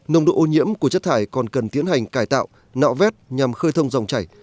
nồng độ ôn diễm của chất thải còn cần tiến hành cài tạo nạo vét nhằm khơi thông dòng chảy